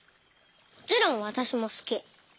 もちろんわたしもすき。